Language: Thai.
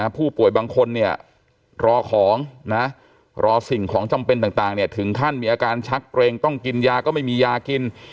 ผู้ป่วยบางคนเนี่ยรอของนะรอสิ่งของจำเป็นต่างถึงขั้นมีอาการชักเกรงต้องกินยาก็ไม่มียากิน